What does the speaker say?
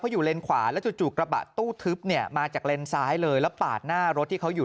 อยู่เลนขวาแล้วจู่กระบะตู้ทึบเนี่ยมาจากเลนซ้ายเลยแล้วปาดหน้ารถที่เขาอยู่